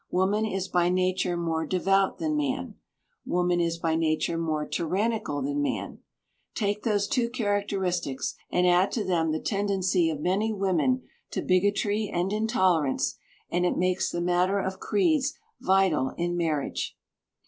Woman is by nature more devout than man. Woman is by nature more tyrannical than man. Take those two characteristics, and add to them the tendency of many women to bigotry and intolerance, and it makes the matter of creeds vital in marriage.